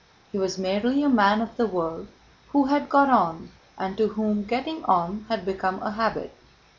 He was merely a man of the world who had got on and to whom getting on had become a habit.